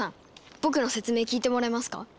僕の説明聞いてもらえますか？